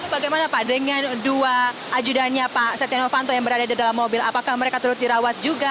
bagaimana pak dengan dua ajudannya pak setia novanto yang berada di dalam mobil apakah mereka turut dirawat juga